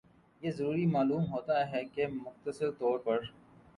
یہ ضروری معلوم ہوتا ہے کہ مختصر طور پر